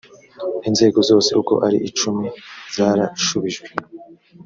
inzego zose uko ari icumi zarashubijwe